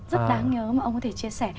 rất đáng nhớ mà ông có thể chia sẻ